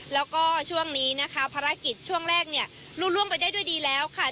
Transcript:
แล้วก็ช่วงนี้นะคะภารกิจช่วงแรกเนี่ยรู้ล่วงไปได้ด้วยดีแล้วค่ะ